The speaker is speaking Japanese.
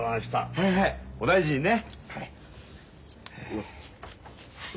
はいはいお大事にね。